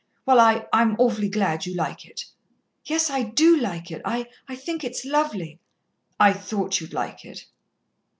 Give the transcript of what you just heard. "Well, I, I I'm awfully glad you like it." "Yes, I do like it. I I think it's lovely." "I I thought you'd like it."